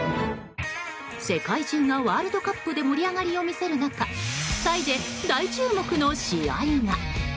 世界中がワールドカップで盛り上がりを見せる中タイで大注目の試合が。